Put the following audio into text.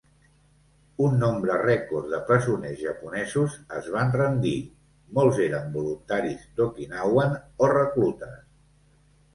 Un nombre rècord de presoners japonesos es van rendir; molts eren voluntaris d'Okinawan o reclutes.